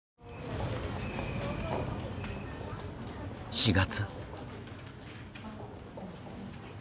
４月。